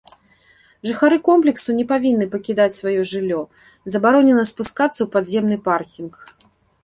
Жыхары комплексу не павінны пакідаць сваё жыллё, забаронена спускацца ў падземны паркінг.